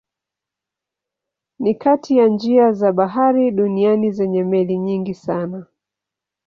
Ni kati ya njia za bahari duniani zenye meli nyingi sana.